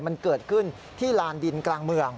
มันเกิดขึ้นที่ลานดินกลางเมือง